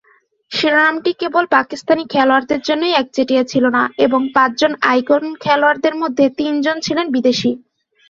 শিরোনামটি কেবল পাকিস্তানি খেলোয়াড়দের জন্যই একচেটিয়া ছিল না এবং পাঁচ জন আইকন খেলোয়াড়ের মধ্যে তিন জন ছিলেন বিদেশী।